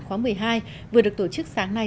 khóa một mươi hai vừa được tổ chức sáng nay